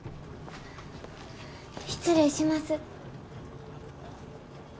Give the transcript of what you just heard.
失礼します。